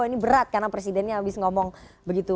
ini berat karena presidennya habis ngomong begitu